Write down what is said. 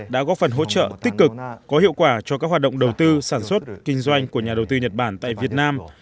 đã góp phần hỗ trợ tích cực có hiệu quả cho các hoạt động đầu tư sản xuất kinh doanh của nhà đầu tư nhật bản tại việt nam